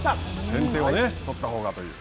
先手を取ったほうがという。